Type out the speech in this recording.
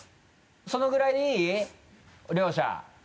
そのぐらいでいい？両者。